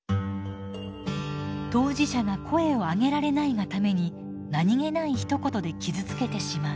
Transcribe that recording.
当事者が声をあげられないがために何気ないひと言で傷つけてしまう。